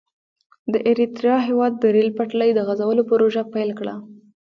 د اریتریا هېواد د ریل پټلۍ د غزولو پروژه پیل کړه.